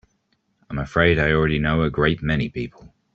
I'm afraid I already know a great many people.